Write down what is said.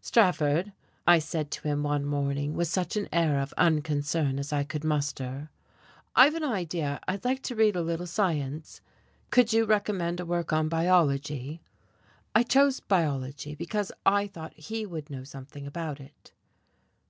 "Strafford," I said to him one morning with such an air of unconcern as I could muster, "I've an idea I'd like to read a little science. Could you recommend a work on biology?" I chose biology because I thought he would know something about it.